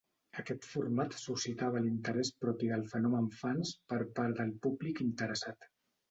Aquest format suscitava l'interès propi del fenomen fans per part del públic interessat.